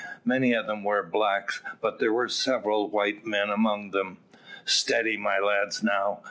Many of them were blacks, but there were several white men among them. "Steady, my lads, now.